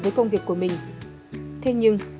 với công việc của mình thế nhưng